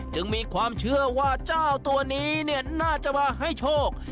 จึงมีความเชื่อว่าเจ้าตัวนี้น่าจะมาให้โชค